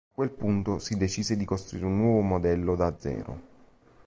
A quel punto si decise di costruire un nuovo modello da zero.